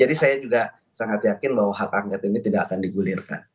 jadi saya juga sangat yakin bahwa hak angket ini tidak akan digulirkan